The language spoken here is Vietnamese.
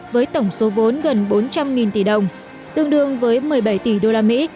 với tổng số vốn gần bốn trăm linh tỷ đồng tương đương với một mươi bảy tỷ usd